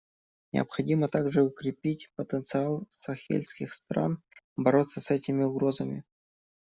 Необходимо также укрепить потенциал сахельских стран бороться с этими угрозами.